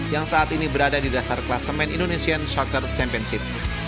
yang saat ini berada di dasar kelasemen indonesian soccer championship